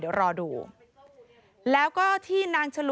เผื่อเขายังไม่ได้งาน